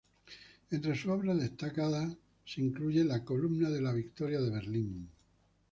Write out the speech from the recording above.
Entre sus obras destacadas se incluye la Columna de la Victoria de Berlín.